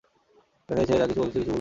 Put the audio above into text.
দেখেন, এই ছেলে যা কিছু বলেছে ভুল বলে নি।